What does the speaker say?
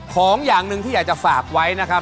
ของอย่างหนึ่งที่อยากจะฝากไว้นะครับ